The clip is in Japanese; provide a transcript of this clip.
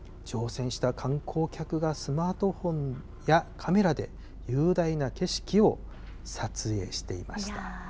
乗船した観光客が、スマートフォンやカメラで雄大な景色を撮影していました。